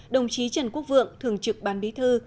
đồng chí trần quốc vượng thường trực ban bí thư